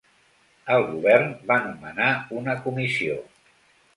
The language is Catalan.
El govern va nomenar una comissió.